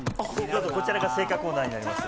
こちらが青果コーナーになります。